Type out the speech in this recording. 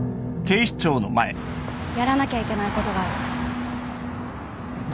やらなきゃいけないことがある。